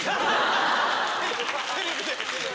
テレビで？